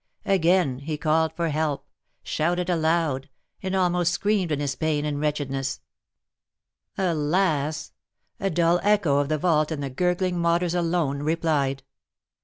Again he called for help, shouted aloud, and almost screamed in his pain and wretchedness. Alas! the dull echo of the vault and the gurgling waters alone replied.